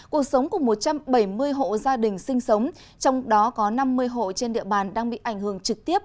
cuộc sống của một trăm bảy mươi hộ gia đình sinh sống trong đó có năm mươi hộ trên địa bàn đang bị ảnh hưởng trực tiếp